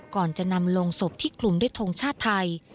ก่อนจะนำลงศพที่คลุมด้วยทงชาติไทย